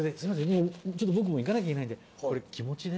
もうちょっと僕も行かなきゃいけないんでこれ気持ちで。